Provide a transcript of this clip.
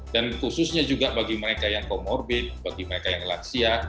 dan khususnya juga bagi mereka yang comorbid bagi mereka yang laksia